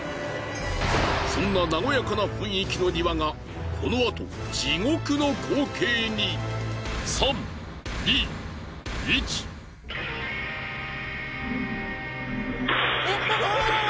そんな和やかな雰囲気の庭がこのあとあわわわわ！